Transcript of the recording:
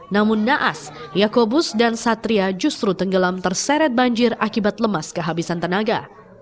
namun naas yaakobus dan satria justru tenggelam terseret banjir akibat lemas kehabisan tenaga